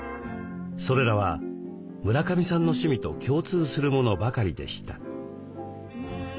それらは村上さんの趣味と共通するものばかりでした。